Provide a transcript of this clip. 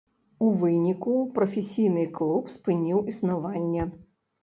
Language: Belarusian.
У выніку прафесійны клуб спыніў існаванне.